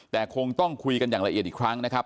แต่คงต้องคุยกันอย่างละเอียดอีกครั้งนะครับ